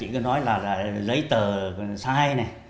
nhi cứ nói là lấy tờ sai